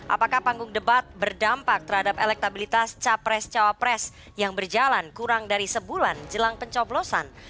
apakah panggung debat berdampak terhadap elektabilitas capres cawapres yang berjalan kurang dari sebulan jelang pencoblosan